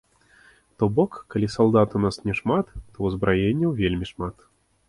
То бок, калі салдат у нас няшмат, то ўзбраенняў вельмі шмат.